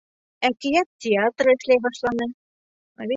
Әкиәт театры эшләй башлай.